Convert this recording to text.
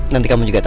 nanti kamu juga tahu